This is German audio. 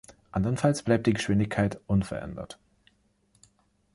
Andernfalls bleibt die Geschwindigkeit unverändert.